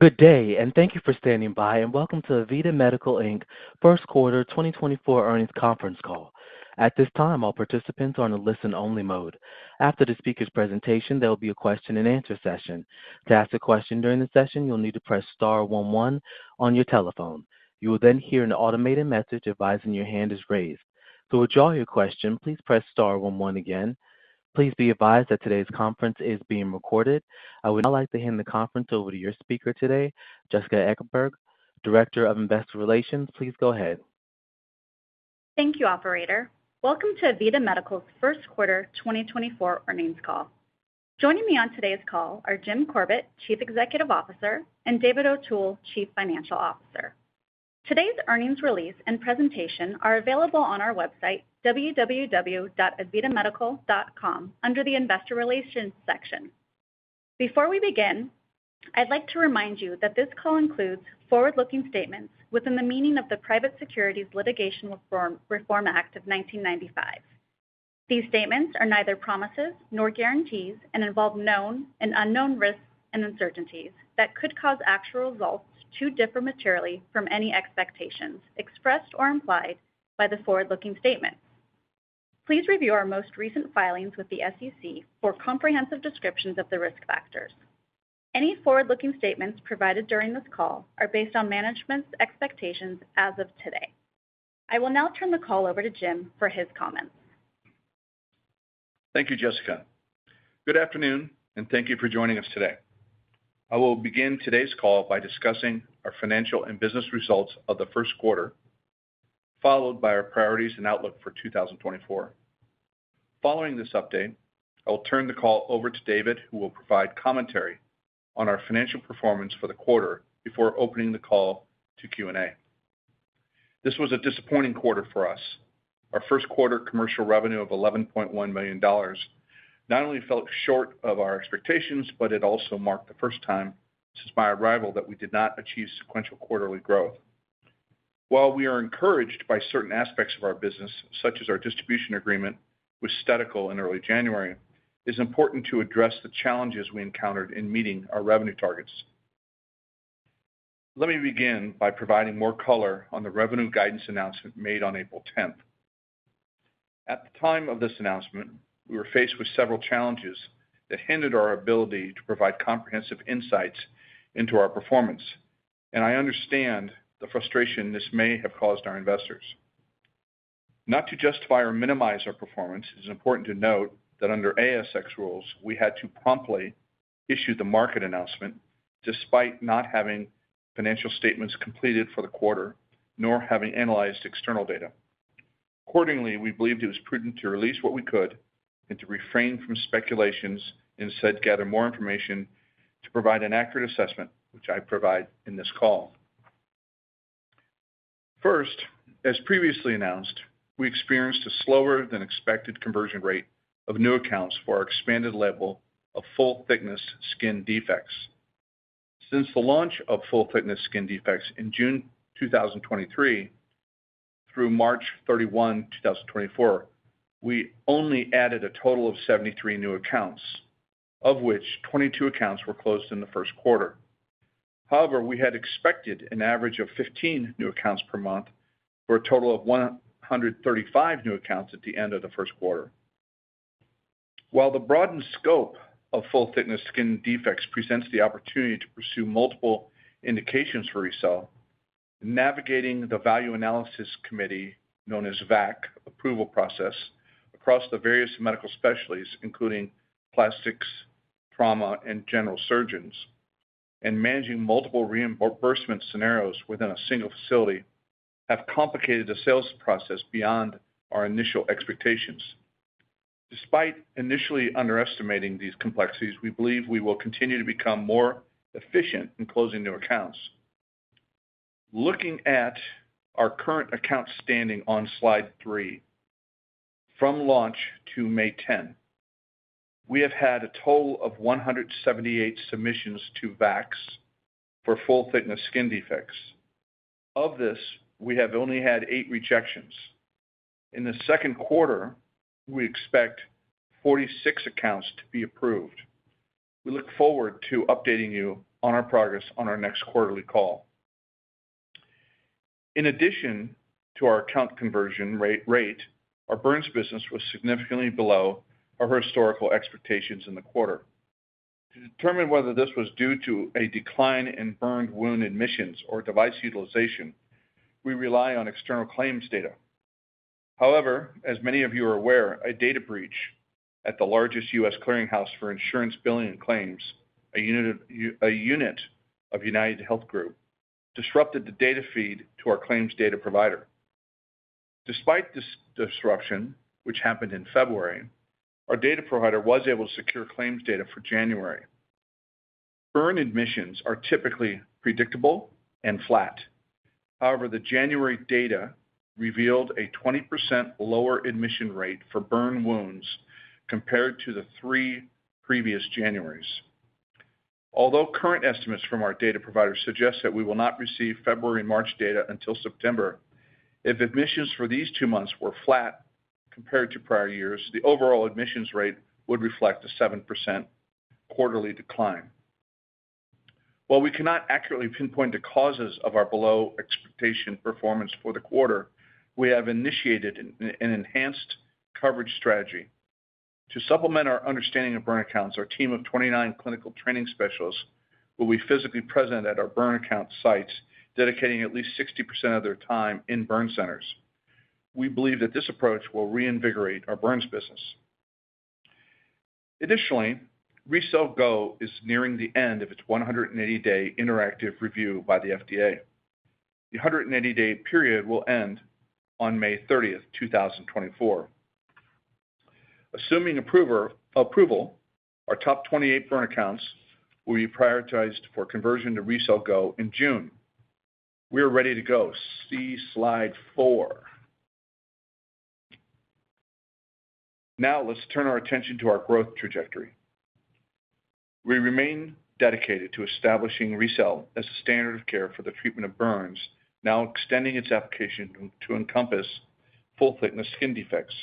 Good day, and thank you for standing by, and welcome to AVITA Medical Inc. first quarter 2024 earnings conference call. At this time, all participants are in a listen-only mode. After the speaker's presentation, there will be a question-and-answer session. To ask a question during the session, you'll need to press star one one on your telephone. You will then hear an automated message advising your hand is raised. To withdraw your question, please press star one one again. Please be advised that today's conference is being recorded. I would now like to hand the conference over to your speaker today, Jessica Ekeberg, Director of Investor Relations. Please go ahead. Thank you, operator. Welcome to AVITA Medical's first quarter 2024 earnings call. Joining me on today's call are Jim Corbett, Chief Executive Officer, and David O'Toole, Chief Financial Officer. Today's earnings release and presentation are available on our website, www.avitamedical.com, under the Investor Relations section. Before we begin, I'd like to remind you that this call includes forward-looking statements within the meaning of the Private Securities Litigation Reform Act of 1995. These statements are neither promises nor guarantees and involve known and unknown risks and uncertainties that could cause actual results to differ materially from any expectations expressed or implied by the forward-looking statements. Please review our most recent filings with the SEC for comprehensive descriptions of the risk factors. Any forward-looking statements provided during this call are based on management's expectations as of today. I will now turn the call over to Jim for his comments. Thank you, Jessica. Good afternoon, and thank you for joining us today. I will begin today's call by discussing our financial and business results of the first quarter, followed by our priorities and outlook for 2024. Following this update, I will turn the call over to David, who will provide commentary on our financial performance for the quarter before opening the call to Q&A. This was a disappointing quarter for us. Our first quarter commercial revenue of $11.1 million not only fell short of our expectations, but it also marked the first time since my arrival that we did not achieve sequential quarterly growth. While we are encouraged by certain aspects of our business, such as our distribution agreement with Stedical in early January, it is important to address the challenges we encountered in meeting our revenue targets. Let me begin by providing more color on the revenue guidance announcement made on April 10th. At the time of this announcement, we were faced with several challenges that hindered our ability to provide comprehensive insights into our performance, and I understand the frustration this may have caused our investors. Not to justify or minimize our performance, it is important to note that under ASX rules, we had to promptly issue the market announcement despite not having financial statements completed for the quarter nor having analyzed external data. Accordingly, we believed it was prudent to release what we could and to refrain from speculations instead gather more information to provide an accurate assessment, which I provide in this call. First, as previously announced, we experienced a slower-than-expected conversion rate of new accounts for our expanded level of full-thickness skin defects. Since the launch of full-thickness skin defects in June 2023 through March 31, 2024, we only added a total of 73 new accounts, of which 22 accounts were closed in the first quarter. However, we had expected an average of 15 new accounts per month for a total of 135 new accounts at the end of the first quarter. While the broadened scope of full-thickness skin defects presents the opportunity to pursue multiple indications for RECELL, navigating the value analysis committee known as VAC approval process across the various medical specialists, including plastics, trauma, and general surgeons, and managing multiple reimbursement scenarios within a single facility have complicated the sales process beyond our initial expectations. Despite initially underestimating these complexities, we believe we will continue to become more efficient in closing new accounts. Looking at our current account standing on slide three, from launch to May 10th, we have had a total of 178 submissions to VACs for full-thickness skin defects. Of this, we have only had eight rejections. In the second quarter, we expect 46 accounts to be approved. We look forward to updating you on our progress on our next quarterly call. In addition to our account conversion rate, our burns business was significantly below our historical expectations in the quarter. To determine whether this was due to a decline in burned wound admissions or device utilization, we rely on external claims data. However, as many of you are aware, a data breach at the largest U.S. clearinghouse for insurance billing and claims, a unit of UnitedHealth Group, disrupted the data feed to our claims data provider. Despite this disruption, which happened in February, our data provider was able to secure claims data for January. Burn admissions are typically predictable and flat. However, the January data revealed a 20% lower admission rate for burn wounds compared to the three previous Januaries. Although current estimates from our data provider suggest that we will not receive February and March data until September, if admissions for these two months were flat compared to prior years, the overall admissions rate would reflect a 7% quarterly decline. While we cannot accurately pinpoint the causes of our below-expectation performance for the quarter, we have initiated an enhanced coverage strategy. To supplement our understanding of burn accounts, our team of 29 clinical training specialists will be physically present at our burn account sites, dedicating at least 60% of their time in burn centers. We believe that this approach will reinvigorate our burns business. Additionally, RECELL GO is nearing the end of its 180-day interactive review by the FDA. The 180-day period will end on May 30th, 2024. Assuming approval, our top 28 burn accounts will be prioritized for conversion to RECELL GO in June. We are ready to go. See slide four. Now let's turn our attention to our growth trajectory. We remain dedicated to establishing RECELL as a standard of care for the treatment of burns, now extending its application to encompass full-thickness skin defects.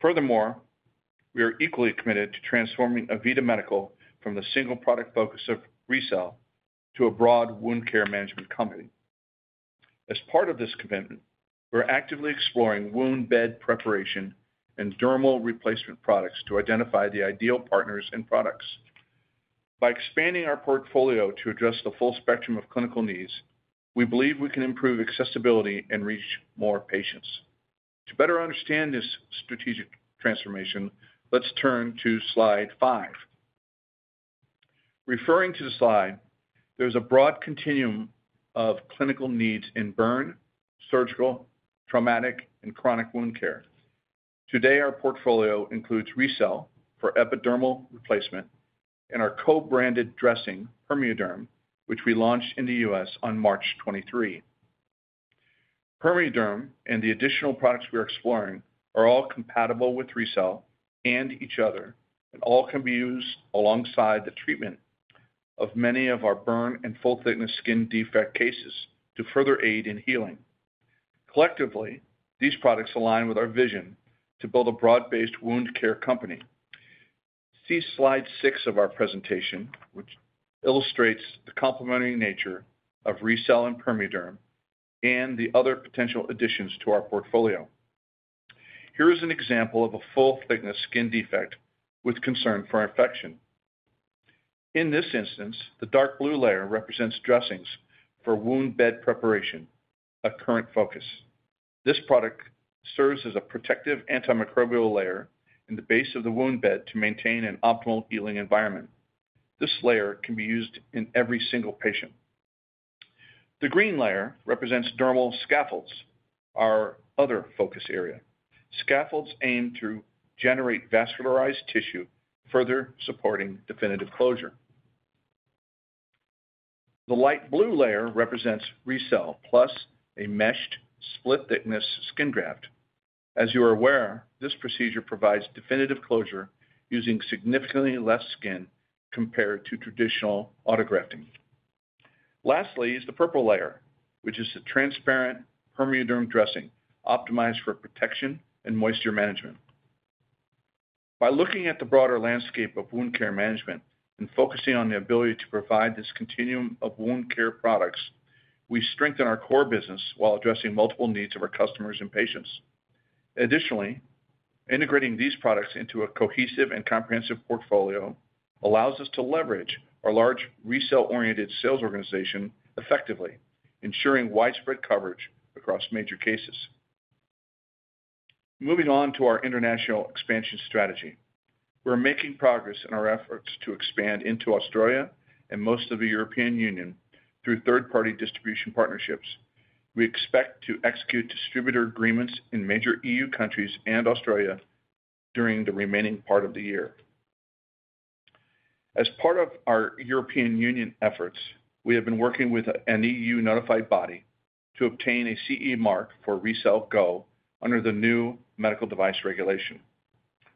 Furthermore, we are equally committed to transforming AVITA Medical from the single product focus of RECELL to a broad wound care management company. As part of this commitment, we're actively exploring wound bed preparation and dermal replacement products to identify the ideal partners and products. By expanding our portfolio to address the full spectrum of clinical needs, we believe we can improve accessibility and reach more patients. To better understand this strategic transformation, let's turn to slide five. Referring to the slide, there's a broad continuum of clinical needs in burn, surgical, traumatic, and chronic wound care. Today, our portfolio includes RECELL for epidermal replacement and our co-branded dressing, PermeaDerm, which we launched in the U.S. on March 23. PermeaDerm and the additional products we are exploring are all compatible with RECELL and each other, and all can be used alongside the treatment of many of our burn and full-thickness skin defect cases to further aid in healing. Collectively, these products align with our vision to build a broad-based wound care company. See slide six of our presentation, which illustrates the complementary nature of RECELL and PermeaDerm and the other potential additions to our portfolio. Here is an example of a full-thickness skin defect with concern for infection. In this instance, the dark blue layer represents dressings for wound bed preparation, a current focus. This product serves as a protective antimicrobial layer in the base of the wound bed to maintain an optimal healing environment. This layer can be used in every single patient. The green layer represents dermal scaffolds, our other focus area. Scaffolds aim to generate vascularized tissue, further supporting definitive closure. The light blue layer represents RECELL plus a meshed split-thickness skin graft. As you are aware, this procedure provides definitive closure using significantly less skin compared to traditional autografting. Lastly is the purple layer, which is a transparent PermeaDerm dressing optimized for protection and moisture management. By looking at the broader landscape of wound care management and focusing on the ability to provide this continuum of wound care products, we strengthen our core business while addressing multiple needs of our customers and patients. Additionally, integrating these products into a cohesive and comprehensive portfolio allows us to leverage our large RECELL-oriented sales organization effectively, ensuring widespread coverage across major cases. Moving on to our international expansion strategy, we're making progress in our efforts to expand into Australia and most of the European Union through third-party distribution partnerships. We expect to execute distributor agreements in major EU countries and Australia during the remaining part of the year. As part of our European Union efforts, we have been working with an EU-notified body to obtain a CE Mark for RECELL GO under the new Medical Device Regulation,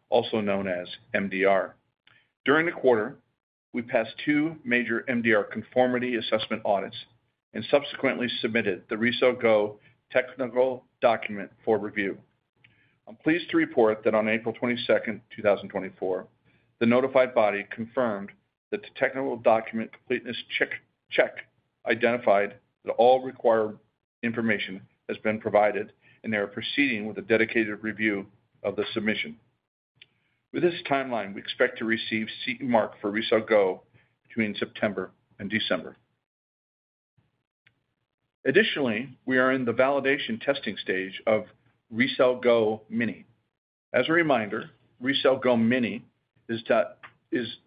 also known as MDR. During the quarter, we passed two major MDR conformity assessment audits and subsequently submitted the RECELL GO technical document for review. I'm pleased to report that on April 22nd, 2024, the notified body confirmed that the technical document completeness check identified that all required information has been provided and they are proceeding with a dedicated review of the submission. With this timeline, we expect to receive CE Mark for RECELL GO between September and December. Additionally, we are in the validation testing stage of RECELL GO Mini. As a reminder, RECELL GO Mini is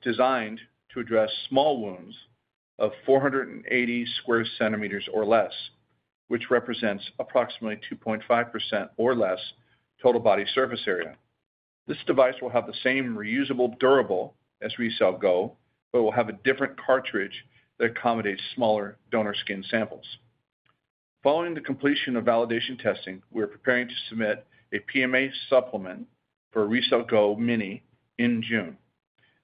designed to address small wounds of 480 sq cm or less, which represents approximately 2.5% or less total body surface area. This device will have the same reusable durables as RECELL GO, but it will have a different cartridge that accommodates smaller donor skin samples. Following the completion of validation testing, we are preparing to submit a PMA supplement for RECELL GO Mini in June.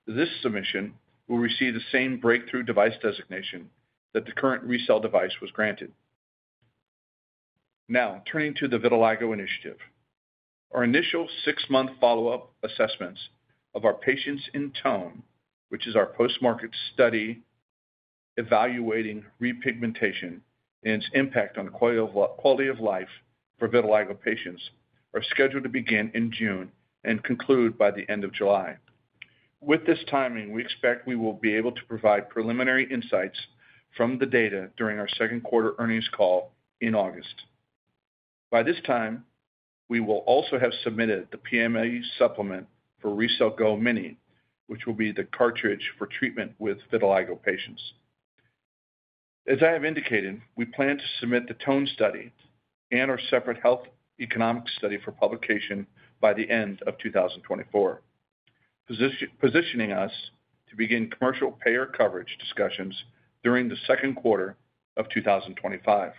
This submission will receive the same breakthrough device designation that the current RECELL device was granted. Now, turning to the Vitiligo Initiative. Our initial six-month follow-up assessments of our patients in TONE, which is our post-market study evaluating repigmentation and its impact on quality of life for vitiligo patients, are scheduled to begin in June and conclude by the end of July. With this timing, we expect we will be able to provide preliminary insights from the data during our second quarter earnings call in August. By this time, we will also have submitted the PMA supplement for RECELL GO Mini, which will be the cartridge for treatment with vitiligo patients. As I have indicated, we plan to submit the TONE study and our separate health economic study for publication by the end of 2024, positioning us to begin commercial payer coverage discussions during the second quarter of 2025.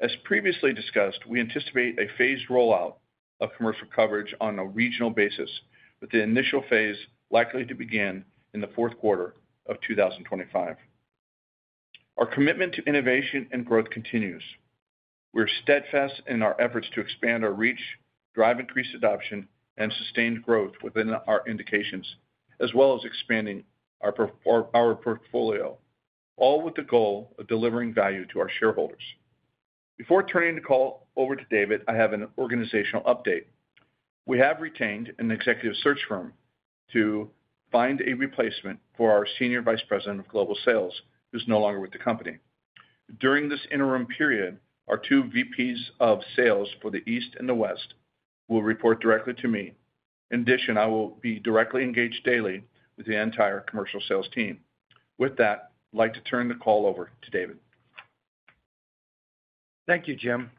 As previously discussed, we anticipate a phased rollout of commercial coverage on a regional basis, with the initial phase likely to begin in the fourth quarter of 2025. Our commitment to innovation and growth continues. We are steadfast in our efforts to expand our reach, drive increased adoption, and sustained growth within our indications, as well as expanding our portfolio, all with the goal of delivering value to our shareholders. Before turning the call over to David, I have an organizational update. We have retained an executive search firm to find a replacement for our senior vice president of global sales, who's no longer with the company. During this interim period, our two VPs of sales for the East and the West will report directly to me. In addition, I will be directly engaged daily with the entire commercial sales team. With that, I'd like to turn the call over to David. Thank you, Jim.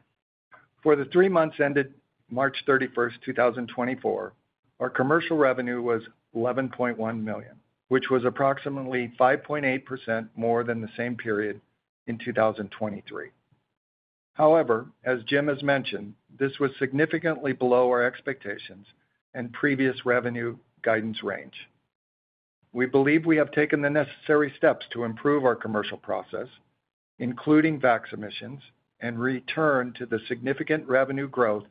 For the three months ended March 31st, 2024, our commercial revenue was $11.1 million, which was approximately 5.8% more than the same period in 2023. However, as Jim has mentioned, this was significantly below our expectations and previous revenue guidance range. We believe we have taken the necessary steps to improve our commercial process, including VAC submissions, and return to the significant revenue growth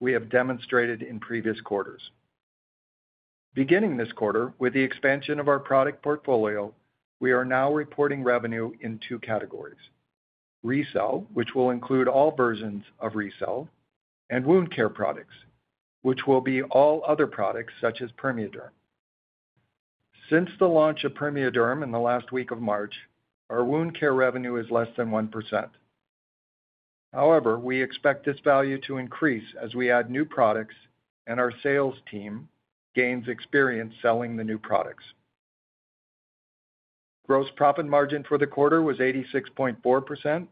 we have demonstrated in previous quarters. Beginning this quarter with the expansion of our product portfolio, we are now reporting revenue in two categories: RECELL, which will include all versions of RECELL, and wound care products, which will be all other products such as PermeaDerm. Since the launch of PermeaDerm in the last week of March, our wound care revenue is less than 1%. However, we expect this value to increase as we add new products and our sales team gains experience selling the new products. Gross profit margin for the quarter was 86.4%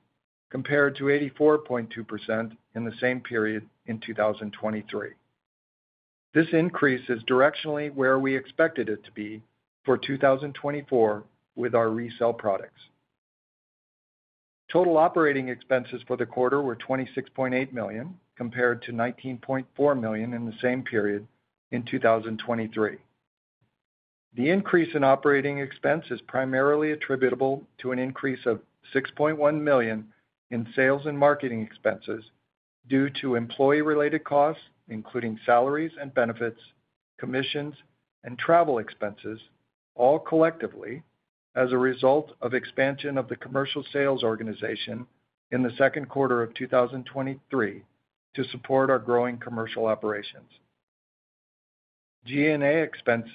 compared to 84.2% in the same period in 2023. This increase is directionally where we expected it to be for 2024 with our RECELL products. Total operating expenses for the quarter were $26.8 million compared to $19.4 million in the same period in 2023. The increase in operating expense is primarily attributable to an increase of $6.1 million in sales and marketing expenses due to employee-related costs, including salaries and benefits, commissions, and travel expenses, all collectively as a result of expansion of the commercial sales organization in the second quarter of 2023 to support our growing commercial operations. G&A expenses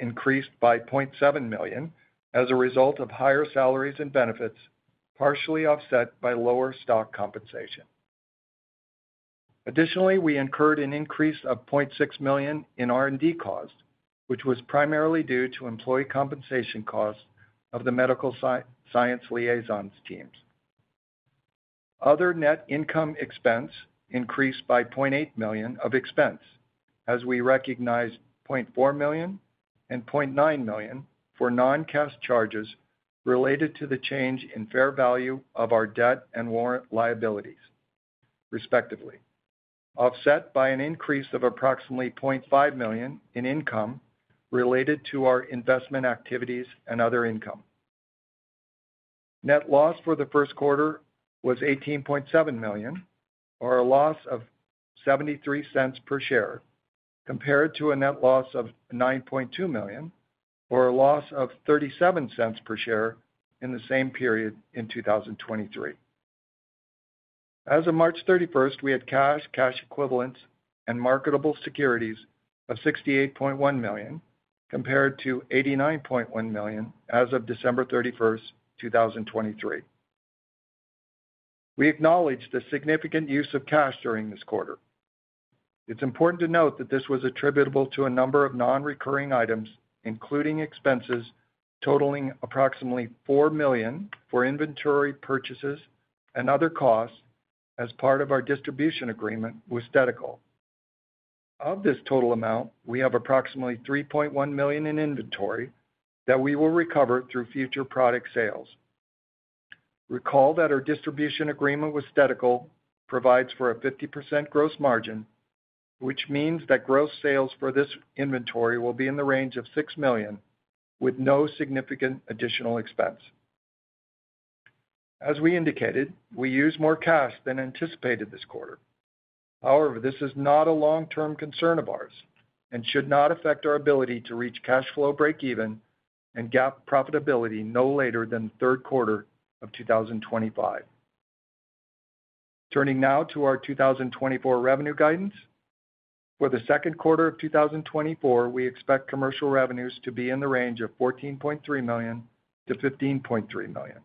increased by $0.7 million as a result of higher salaries and benefits, partially offset by lower stock compensation. Additionally, we incurred an increase of $0.6 million in R&D costs, which was primarily due to employee compensation costs of the medical science liaisons teams. Other net income expense increased by $0.8 million of expense, as we recognized $0.4 million and $0.9 million for non-cash charges related to the change in fair value of our debt and warrant liabilities, respectively, offset by an increase of approximately $0.5 million in income related to our investment activities and other income. Net loss for the first quarter was $18.7 million, or a loss of 0.73 cents per share, compared to a net loss of $9.2 million, or a loss of 0.37 cents per share in the same period in 2023. As of March 31st, we had cash, cash equivalents, and marketable securities of $68.1 million compared to $89.1 million as of December 31st, 2023. We acknowledged the significant use of cash during this quarter. It's important to note that this was attributable to a number of non-recurring items, including expenses totaling approximately $4 million for inventory purchases and other costs as part of our distribution agreement with Stedical. Of this total amount, we have approximately $3.1 million in inventory that we will recover through future product sales. Recall that our distribution agreement with Stedical provides for a 50% gross margin, which means that gross sales for this inventory will be in the range of $6 million with no significant additional expense. As we indicated, we used more cash than anticipated this quarter. However, this is not a long-term concern of ours and should not affect our ability to reach cash flow breakeven and GAAP profitability no later than the third quarter of 2025. Turning now to our 2024 revenue guidance. For the second quarter of 2024, we expect commercial revenues to be in the range of $14.3 million-$15.3 million.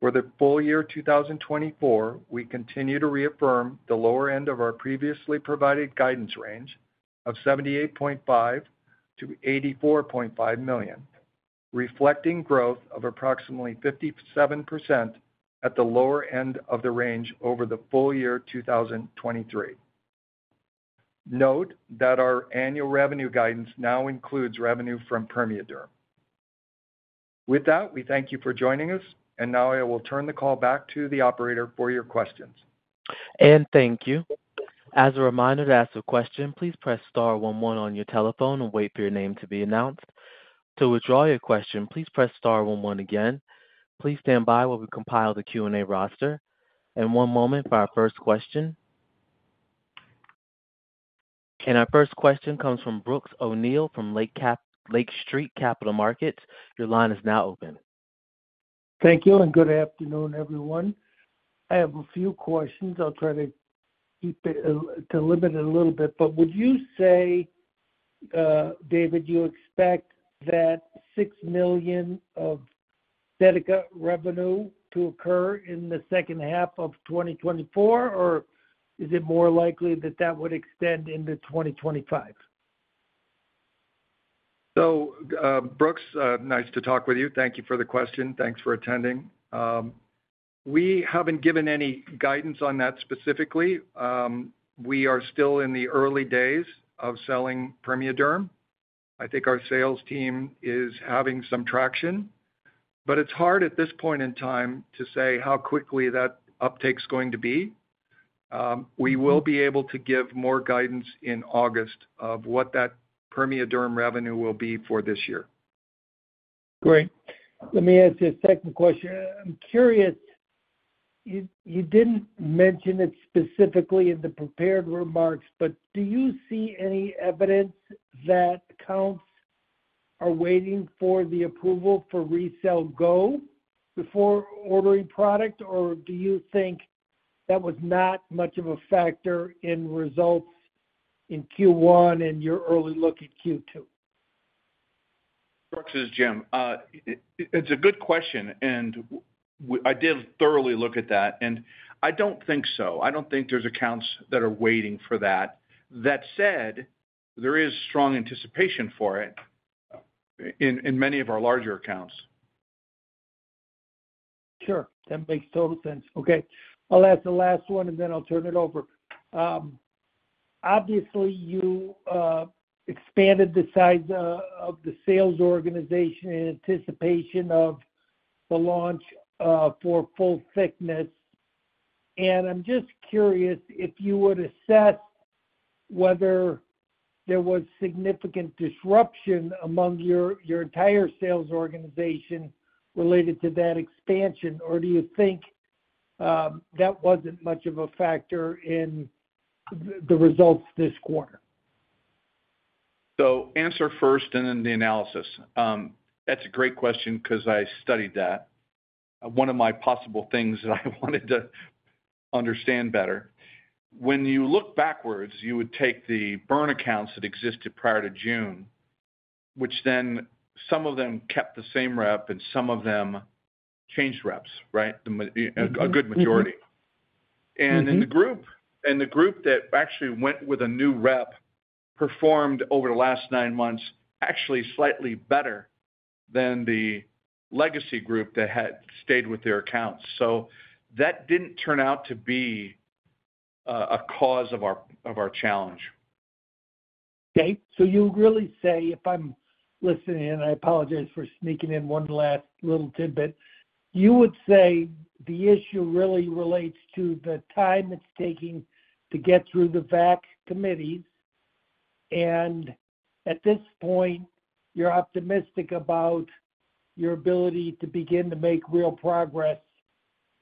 For the full year 2024, we continue to reaffirm the lower end of our previously provided guidance range of $78.5 million-$84.5 million, reflecting growth of approximately 57% at the lower end of the range over the full year 2023. Note that our annual revenue guidance now includes revenue from PermeaDerm. With that, we thank you for joining us. And now I will turn the call back to the operator for your questions. And thank you. As a reminder, to ask a question, please press star one one on your telephone and wait for your name to be announced. To withdraw your question, please press star one one again. Please stand by while we compile the Q&A roster. And one moment for our first question. And our first question comes from Brooks O'Neill from Lake Street Capital Markets. Your line is now open. Thank you. And good afternoon, everyone. I have a few questions. I'll try to keep it to limit it a little bit. But would you say, David, you expect that $6 million of Stedical revenue to occur in the second half of 2024, or is it more likely that that would extend into 2025? So, Brooks, nice to talk with you. Thank you for the question. Thanks for attending. We haven't given any guidance on that specifically. We are still in the early days of selling PermeaDerm. I think our sales team is having some traction. But it's hard at this point in time to say how quickly that uptake is going to be. We will be able to give more guidance in August of what that PermeaDerm revenue will be for this year. Great. Let me ask you a second question. I'm curious. You didn't mention it specifically in the prepared remarks, but do you see any evidence that accounts are waiting for the approval for RECELL GO before ordering product, or do you think that was not much of a factor in results in Q1 and your early look at Q2? It's a good question. And I did thoroughly look at that. And I don't think so. I don't think there's accounts that are waiting for that. That said, there is strong anticipation for it in many of our larger accounts. Sure. That makes total sense. Okay. I'll ask the last one, and then I'll turn it over. Obviously, you expanded the size of the sales organization in anticipation of the launch for full thickness. And I'm just curious if you would assess whether there was significant disruption among your entire sales organization related to that expansion, or do you think that wasn't much of a factor in the results this quarter? So answer first and then the analysis. That's a great question because I studied that. One of my possible things that I wanted to understand better. When you look backwards, you would take the burn accounts that existed prior to June, which then some of them kept the same rep, and some of them changed reps, right, a good majority. And in the group that actually went with a new rep performed over the last nine months actually slightly better than the legacy group that had stayed with their accounts. So that didn't turn out to be a cause of our challenge. Okay. You'll really say if I'm listening in, and I apologize for sneaking in one last little tidbit, you would say the issue really relates to the time it's taking to get through the VAC committees. At this point, you're optimistic about your ability to begin to make real progress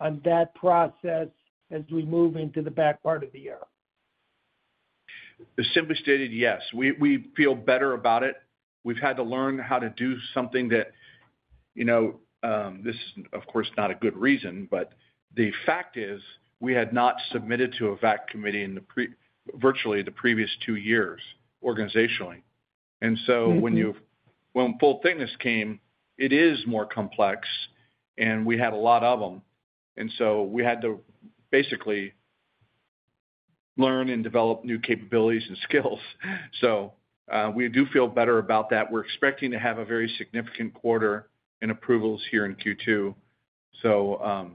on that process as we move into the back part of the year? Simply stated, yes. We feel better about it. We've had to learn how to do something that this is, of course, not a good reason. The fact is, we had not submitted to a VAC committee virtually the previous two years organizationally. When full thickness came, it is more complex. We had a lot of them. We had to basically learn and develop new capabilities and skills. So we do feel better about that. We're expecting to have a very significant quarter in approvals here in Q2. So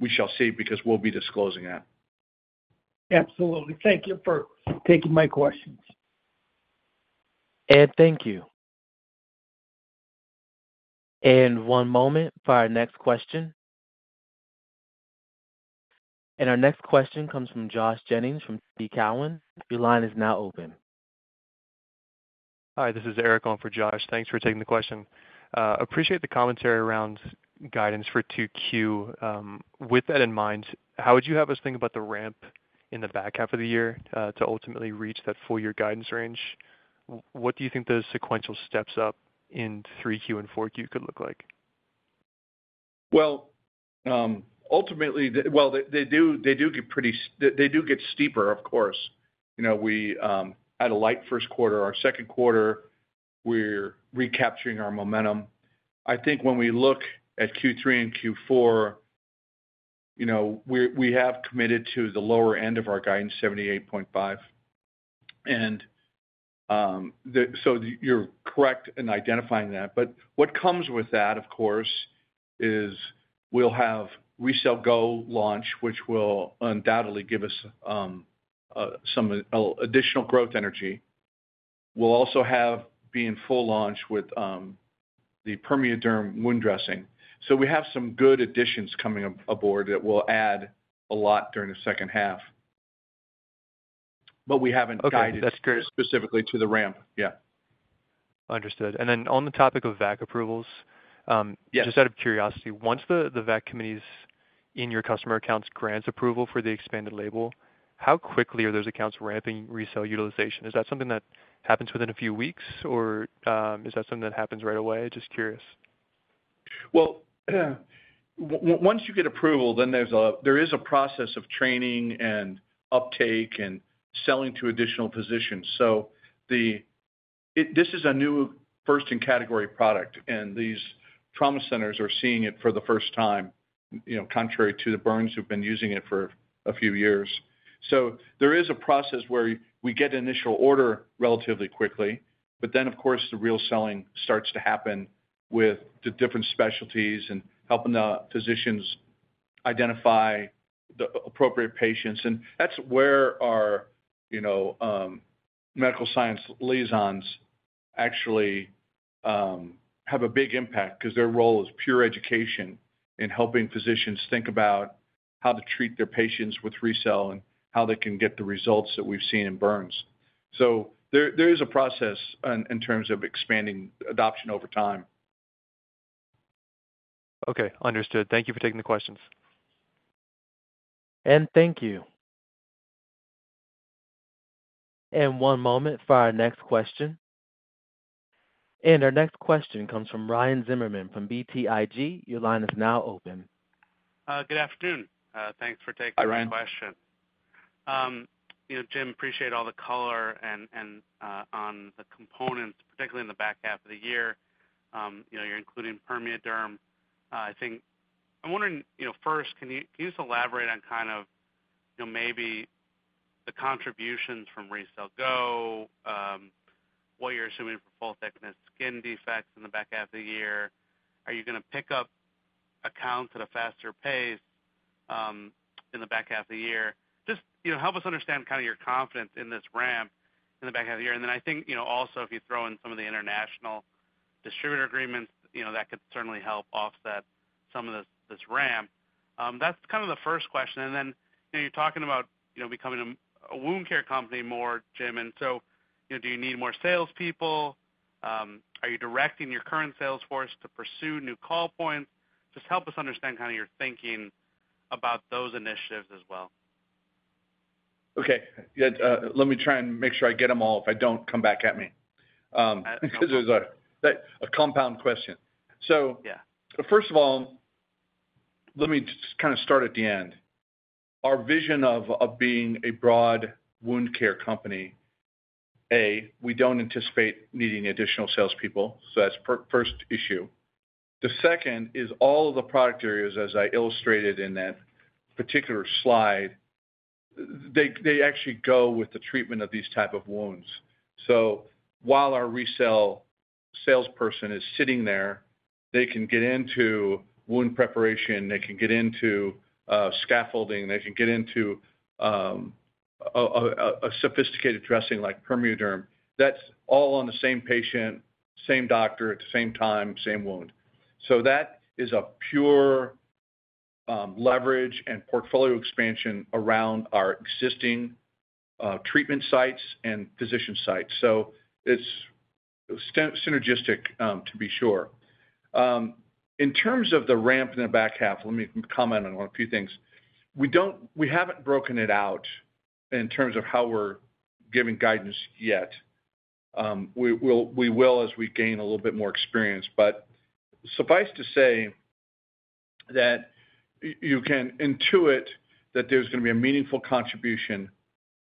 we shall see because we'll be disclosing that. Absolutely. Thank you for taking my questions. And thank you. One moment for our next question. Our next question comes from Josh Jennings from TD Cowen. Your line is now open. Hi. This is Eric on for Josh. Thanks for taking the question. Appreciate the commentary around guidance for 2Q. With that in mind, how would you have us think about the ramp in the back half of the year to ultimately reach that full-year guidance range? What do you think those sequential steps up in 3Q and 4Q could look like? Well, ultimately, they do get steeper, of course. We had a light first quarter. Our second quarter, we're recapturing our momentum. I think when we look at Q3 and Q4, we have committed to the lower end of our guidance, $78.5. And so you're correct in identifying that. But what comes with that, of course, is we'll have RECELL GO launch, which will undoubtedly give us some additional growth energy. We'll also be in full launch with the PermeaDerm wound dressing. So we have some good additions coming aboard that will add a lot during the second half. But we haven't guided specifically to the ramp. Yeah. Understood. And then on the topic of VAC approvals, just out of curiosity, once the VAC committee's in your customer accounts grants approval for the expanded label, how quickly are those accounts ramping RECELL utilization? Is that something that happens within a few weeks, or is that something that happens right away? Just curious. Well, once you get approval, then there is a process of training and uptake and selling to additional positions. So this is a new first-in-category product. And these trauma centers are seeing it for the first time, contrary to the burns who've been using it for a few years. So there is a process where we get initial order relatively quickly. But then, of course, the real selling starts to happen with the different specialties and helping the physicians identify the appropriate patients. And that's where our medical science liaisons actually have a big impact because their role is pure education in helping physicians think about how to treat their patients with RECELL and how they can get the results that we've seen in burns. So there is a process in terms of expanding adoption over time. Okay. Understood. Thank you for taking the questions. And thank you. One moment for our next question. Our next question comes from Ryan Zimmerman from BTIG. Your line is now open. Good afternoon. Thanks for taking the question. Hi, Ryan. Jim, appreciate all the color and on the components, particularly in the back half of the year. You're including PermeaDerm. I'm wondering, first, can you just elaborate on kind of maybe the contributions from RECELL GO, what you're assuming for full-thickness skin defects in the back half of the year? Are you going to pick up accounts at a faster pace in the back half of the year? Just help us understand kind of your confidence in this ramp in the back half of the year. And then I think also, if you throw in some of the international distributor agreements, that could certainly help offset some of this ramp. That's kind of the first question. And then you're talking about becoming a wound care company more, Jim. And so do you need more salespeople? Are you directing your current sales force to pursue new call points? Just help us understand kind of your thinking about those initiatives as well. Okay. Let me try and make sure I get them all if I don't come back at me because it was a compound question. So first of all, let me just kind of start at the end. Our vision of being a broad wound care company, A, we don't anticipate needing additional salespeople. So that's first issue. The second is all of the product areas, as I illustrated in that particular slide, they actually go with the treatment of these type of wounds. So while our RECELL salesperson is sitting there, they can get into wound preparation. They can get into scaffolding. They can get into a sophisticated dressing like PermeaDerm. That's all on the same patient, same doctor at the same time, same wound. So that is a pure leverage and portfolio expansion around our existing treatment sites and physician sites. So it's synergistic, to be sure. In terms of the ramp in the back half, let me comment on a few things. We haven't broken it out in terms of how we're giving guidance yet. We will as we gain a little bit more experience. But suffice to say that you can intuit that there's going to be a meaningful contribution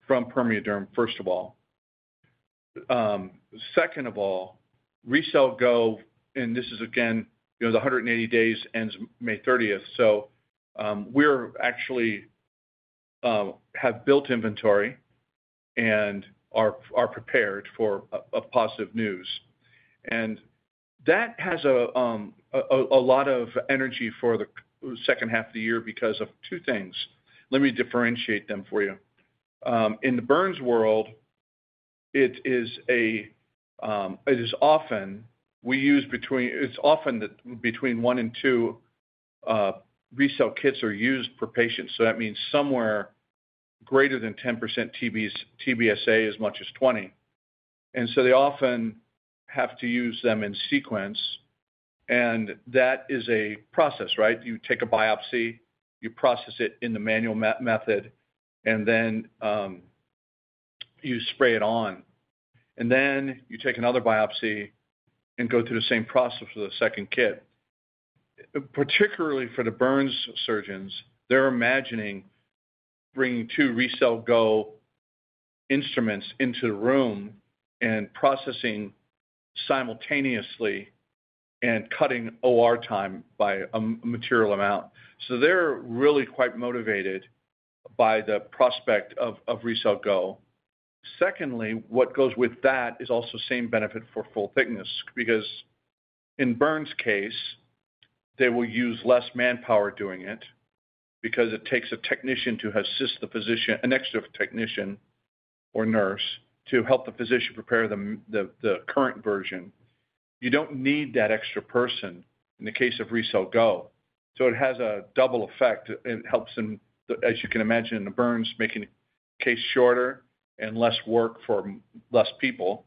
from PermeaDerm, first of all. Second of all, RECELL GO and this is, again, the 180 days ends May 30th. So we actually have built inventory and are prepared for positive news. And that has a lot of energy for the second half of the year because of two things. Let me differentiate them for you. In the burns world, it's often that between one and two RECELL kits are used per patient. So that means somewhere greater than 10% TBSA, as much as 20%. And so they often have to use them in sequence. And that is a process, right? You take a biopsy. You process it in the manual method. And then you spray it on. And then you take another biopsy and go through the same process for the second kit. Particularly for the burns surgeons, they're imagining bringing two RECELL GO instruments into the room and processing simultaneously and cutting OR time by a material amount. So they're really quite motivated by the prospect of RECELL GO. Secondly, what goes with that is also same benefit for full thickness because in burns case, they will use less manpower doing it because it takes a technician to assist the physician, an extra technician or nurse to help the physician prepare the current version. You don't need that extra person in the case of RECELL GO. So it has a double effect. It helps them, as you can imagine, in the burns, making the case shorter and less work for less people.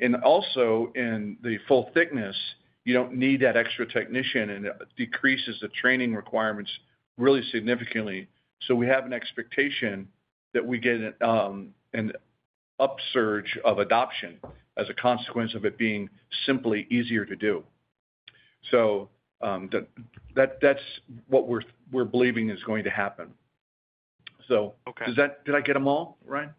And also, in the full thickness, you don't need that extra technician. And it decreases the training requirements really significantly. So we have an expectation that we get an upsurge of adoption as a consequence of it being simply easier to do. So that's what we're believing is going to happen. So did I get them all, Ryan?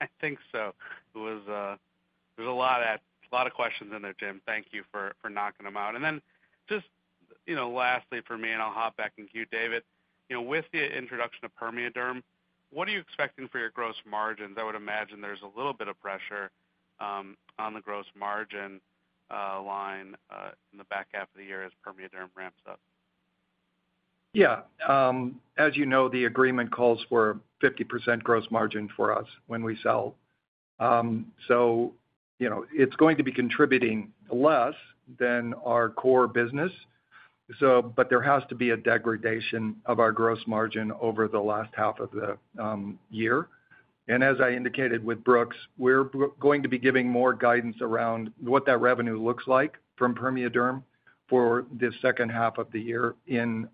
I think so. There's a lot of questions in there, Jim. Thank you for knocking them out. And then just lastly for me, and I'll hop back and cue David, with the introduction of PermeaDerm, what are you expecting for your gross margins? I would imagine there's a little bit of pressure on the gross margin line in the back half of the year as PermeaDerm ramps up. Yeah. As you know, the agreement calls for a 50% gross margin for us when we sell. So it's going to be contributing less than our core business. But there has to be a degradation of our gross margin over the last half of the year. And as I indicated with Brooks, we're going to be giving more guidance around what that revenue looks like from PermeaDerm for the second half of the year in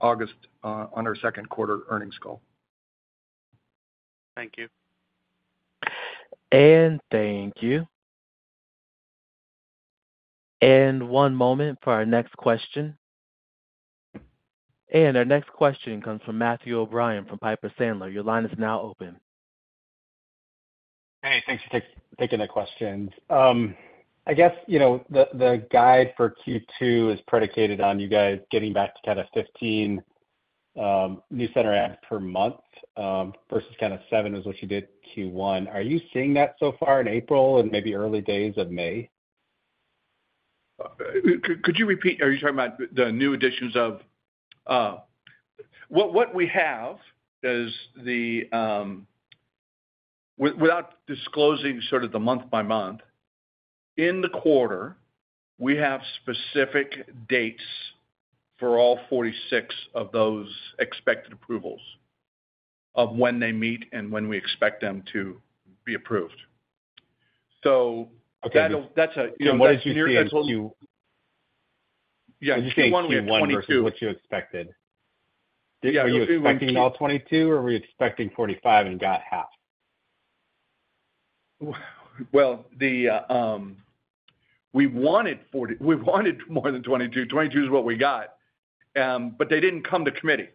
August on our second quarter earnings call. Thank you. Thank you. One moment for our next question. Our next question comes from Matthew O'Brien from Piper Sandler. Your line is now open. Hey. Thanks for taking the questions. I guess the guide for Q2 is predicated on you guys getting back to kind of 15 new center adds per month versus kind of seven was what you did Q1. Are you seeing that so far in April and maybe early days of May? Could you repeat? Are you talking about the new additions? What we have is, without disclosing sort of the month by month, in the quarter, we have specific dates for all 46 of those expected approvals of when they meet and when we expect them to be approved. So that's a near term. Yeah. Q1, we have 22. What's your expected? Are you expecting all 22, or are we expecting 45 and got half? Well, we wanted more than 22. 22 is what we got. But they didn't come to committee.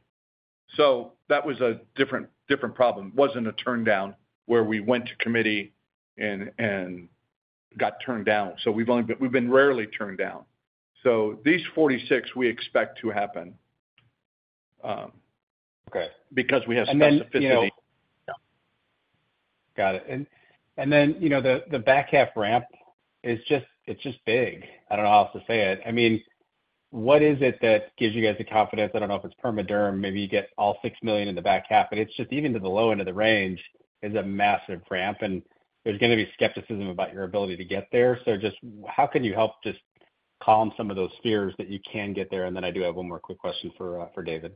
So that was a different problem. It wasn't a turned down where we went to committee and got turned down. So we've been rarely turned down. So these 46, we expect to happen because we have specificity. Got it. And then the back half ramp, it's just big. I don't know how else to say it. I mean, what is it that gives you guys the confidence? I don't know if it's PermeaDerm. Maybe you get all $6 million in the back half. But it's just even to the low end of the range is a massive ramp. And there's going to be skepticism about your ability to get there. So just how can you help just calm some of those fears that you can get there? And then I do have one more quick question for David.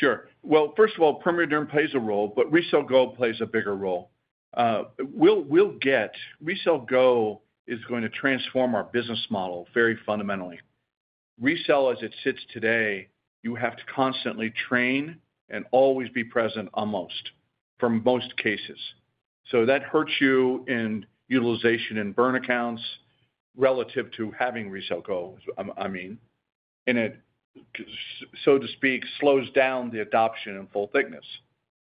Sure. Well, first of all, PermeaDerm plays a role. But RECELL GO plays a bigger role. RECELL GO is going to transform our business model very fundamentally. RECELL, as it sits today, you have to constantly train and always be present almost for most cases. So that hurts you in utilization in burn accounts relative to having RECELL GO, I mean. And it, so to speak, slows down the adoption in full-thickness.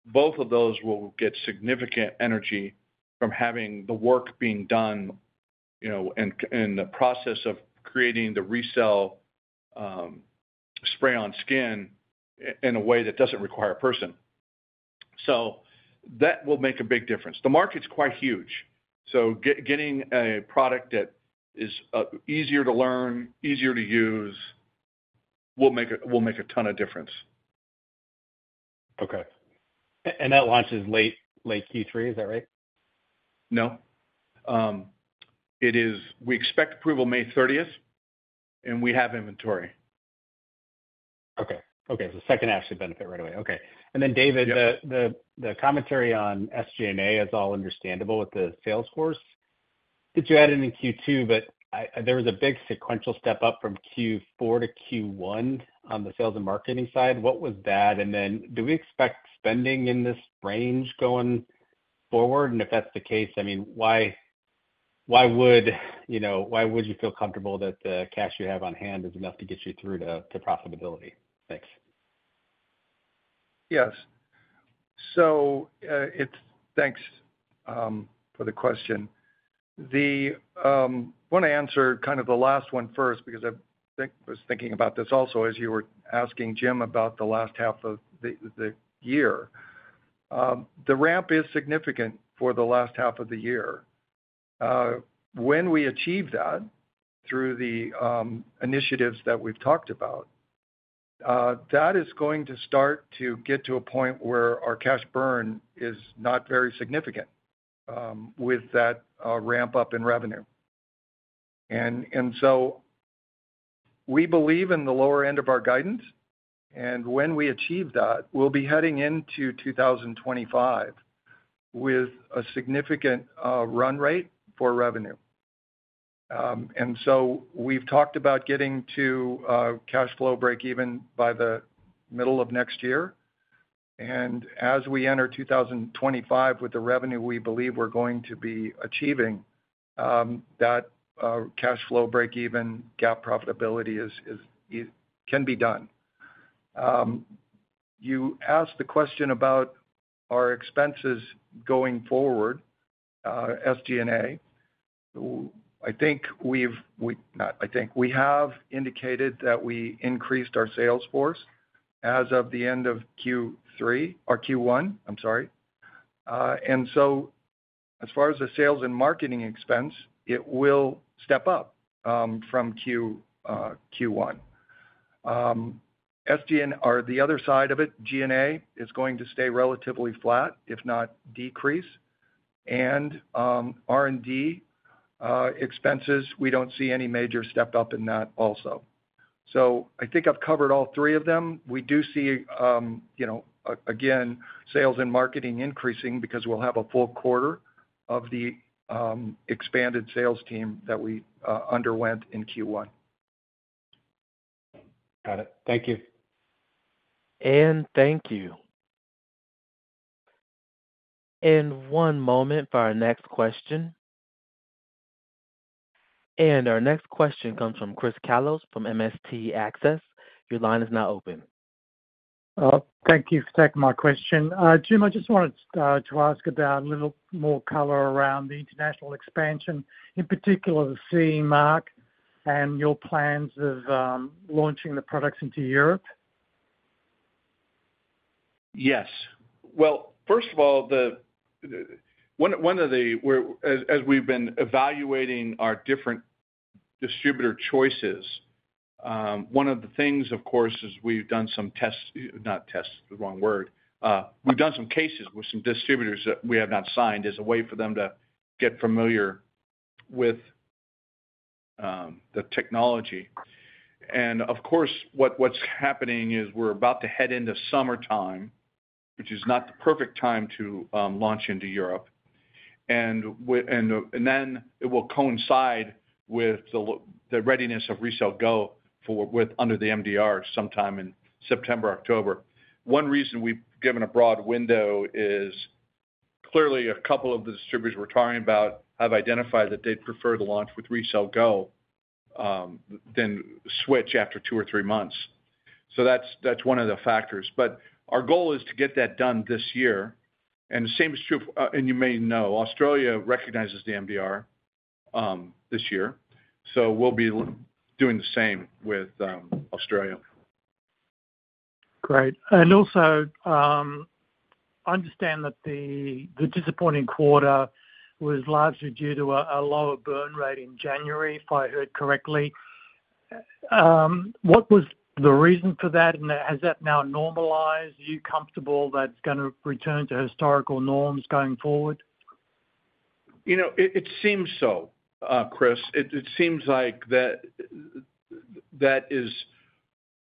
Both of those will get significant energy from having the work being done and the process of creating the RECELL spray-on skin in a way that doesn't require a person. So that will make a big difference. The market's quite huge. So getting a product that is easier to learn, easier to use will make a ton of difference. Okay. And that launches late Q3. Is that right? No. We expect approval May 30th. And we have inventory. Okay. Okay. So second asset benefit right away. Okay. And then, David, the commentary on SG&A is all understandable with the sales force. Did you add it in Q2? But there was a big sequential step up from Q4 to Q1 on the sales and marketing side. What was that? And then do we expect spending in this range going forward? And if that's the case, I mean, why would you feel comfortable that the cash you have on hand is enough to get you through to profitability? Thanks. Yes. So thanks for the question. I want to answer kind of the last one first because I was thinking about this also as you were asking Jim about the last half of the year. The ramp is significant for the last half of the year. When we achieve that through the initiatives that we've talked about, that is going to start to get to a point where our cash burn is not very significant with that ramp-up in revenue. And so we believe in the lower end of our guidance. And when we achieve that, we'll be heading into 2025 with a significant run rate for revenue. And so we've talked about getting to cash flow break-even by the middle of next year. And as we enter 2025 with the revenue we believe we're going to be achieving, that cash flow break-even gap profitability can be done. You asked the question about our expenses going forward, SG&A. I think we have indicated that we increased our sales force as of the end of Q3 or Q1. I'm sorry. And so as far as the sales and marketing expense, it will step up from Q1. The other side of it, G&A, is going to stay relatively flat, if not decrease. And R&D expenses, we don't see any major step up in that also. So I think I've covered all three of them. We do see, again, sales and marketing increasing because we'll have a full quarter of the expanded sales team that we underwent in Q1. Got it. Thank you. And thank you. And one moment for our next question. And our next question comes from Chris Kallos from MST Access. Your line is now open. Thank you for taking my question. Jim, I just wanted to ask about a little more color around the international expansion, in particular the CE Mark and your plans of launching the products into Europe. Yes. Well, first of all, one of the, as we've been evaluating our different distributor choices, one of the things, of course, is we've done some tests not tests, the wrong word. We've done some cases with some distributors that we have not signed as a way for them to get familiar with the technology. And of course, what's happening is we're about to head into summertime, which is not the perfect time to launch into Europe. And then it will coincide with the readiness of RECELL GO under the MDR sometime in September, October. One reason we've given a broad window is clearly a couple of the distributors we're talking about have identified that they'd prefer to launch with RECELL GO than switch after two or three months. So that's one of the factors. But our goal is to get that done this year. And the same is true of and you may know, Australia recognizes the MDR this year. So we'll be doing the same with Australia. Great. And also, I understand that the disappointing quarter was largely due to a lower burn rate in January, if I heard correctly. What was the reason for that? And has that now normalized? Are you comfortable that it's going to return to historical norms going forward? It seems so, Chris. It seems like that is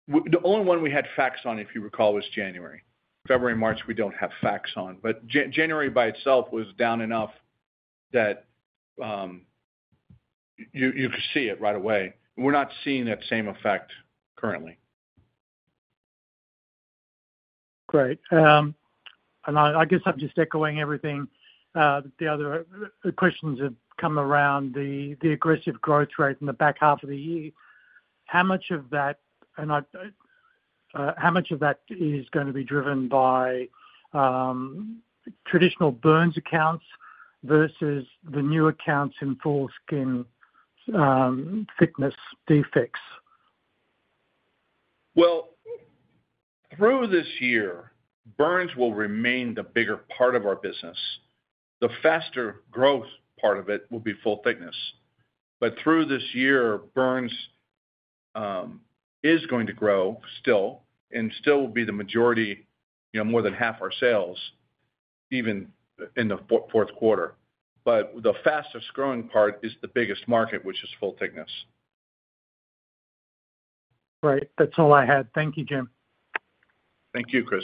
the only one we had facts on, if you recall, was January. February, March, we don't have facts on. But January by itself was down enough that you could see it right away. We're not seeing that same effect currently. Great. And I guess I'm just echoing everything. The other questions have come around the aggressive growth rate in the back half of the year. How much of that and how much of that is going to be driven by traditional burns accounts versus the new accounts in full-thickness skin defects? Well, through this year, burns will remain the bigger part of our business. The faster growth part of it will be full-thickness. But through this year, burns is going to grow still and still will be the majority, more than half our sales even in the fourth quarter. But the fastest growing part is the biggest market, which is full-thickness. Right. That's all I had. Thank you, Jim. Thank you, Chris.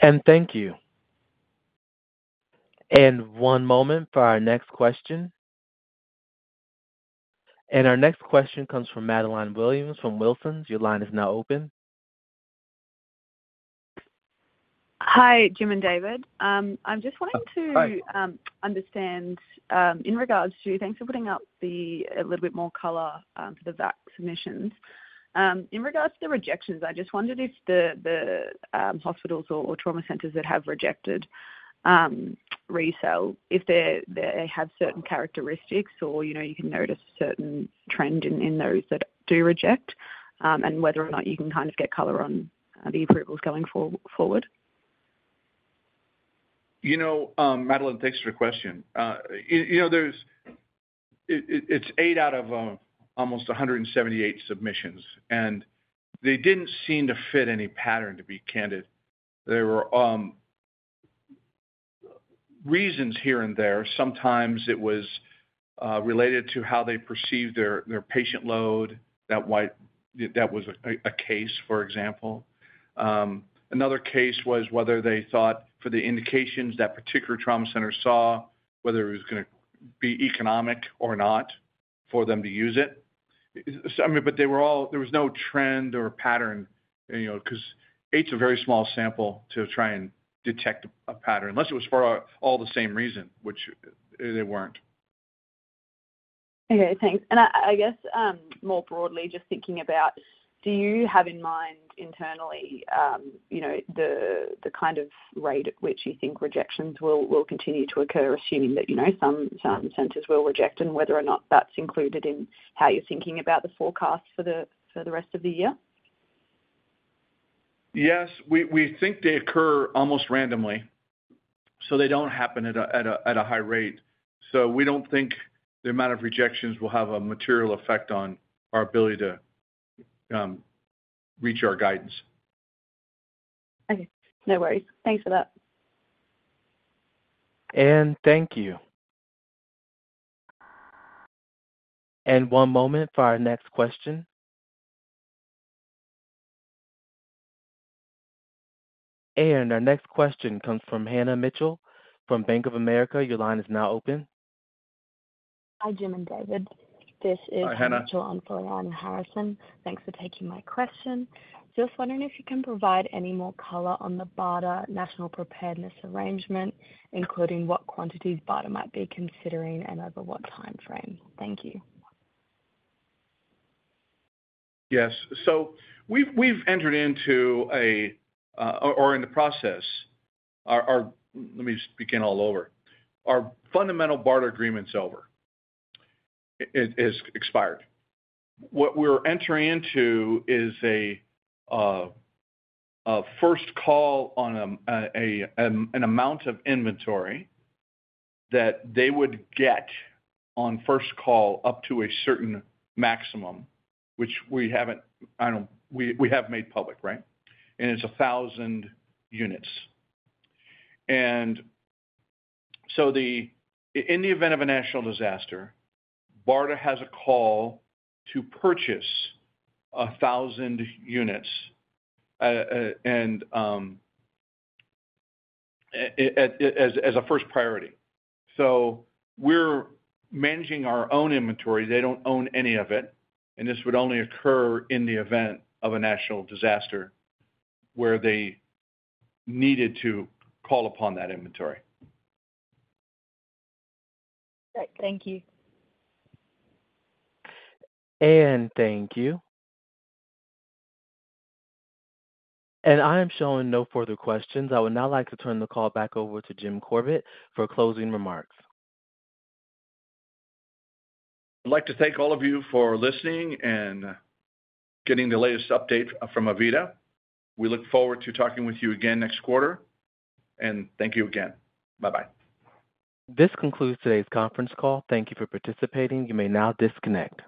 And thank you. One moment for our next question. Our next question comes from Madeleine Williams from Wilsons. Your line is now open. Hi, Jim and David. I'm just wanting to understand in regards to thanks for putting up a little bit more color for the VAC submissions. In regards to the rejections, I just wondered if the hospitals or trauma centers that have rejected RECELL, if they have certain characteristics or you can notice a certain trend in those that do reject and whether or not you can kind of get color on the approvals going forward. Madeline, thanks for the question. It's eight out of almost 178 submissions. They didn't seem to fit any pattern, to be candid. There were reasons here and there. Sometimes it was related to how they perceived their patient load. That was a case, for example. Another case was whether they thought for the indications that particular trauma center saw, whether it was going to be economic or not for them to use it. I mean, but there was no trend or pattern because 8's a very small sample to try and detect a pattern unless it was for all the same reason, which they weren't. Okay. Thanks. And I guess more broadly, just thinking about. Do you have in mind internally the kind of rate at which you think rejections will continue to occur, assuming that some centers will reject? And whether or not that's included in how you're thinking about the forecast for the rest of the year? Yes. We think they occur almost randomly. So they don't happen at a high rate. So we don't think the amount of rejections will have a material effect on our ability to reach our guidance. Okay. No worries. Thanks for that. Thank you. One moment for our next question. Our next question comes from Hannah Mitchell from Bank of America. Your line is now open. Hi, Jim and David. This is Hannah Mitchell on for Liana Harrison. Thanks for taking my question. Just wondering if you can provide any more color on the BARDA national preparedness agreement, including what quantities BARDA might be considering and over what time frame. Thank you. Yes. So we've entered into a or in the process let me begin all over. Our fundamental BARDA agreement's over. It's expired. What we're entering into is a first call on an amount of inventory that they would get on first call up to a certain maximum, which we haven't made public, right? It's 1,000 units. And so in the event of a national disaster, BARDA has a call to purchase 1,000 units as a first priority. So we're managing our own inventory. They don't own any of it. And this would only occur in the event of a national disaster where they needed to call upon that inventory. Great. Thank you. And thank you. And I am showing no further questions. I would now like to turn the call back over to Jim Corbett for closing remarks. I'd like to thank all of you for listening and getting the latest update from AVITA. We look forward to talking with you again next quarter. And thank you again. Bye-bye. This concludes today's conference call. Thank you for participating. You may now disconnect.